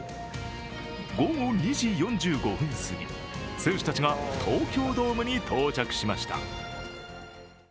午後２時４５分すぎ、選手たちが東京ドームに到着しました。